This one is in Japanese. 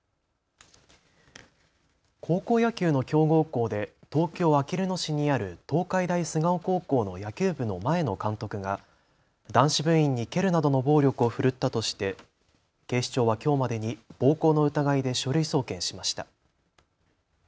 高校野球の強豪校で東京あきる野市にある東海大菅生高校の野球部の前の監督が男子部員に蹴るなどの暴力を振るったとして警視庁はきょうまでに暴行の疑いで書類送検しました。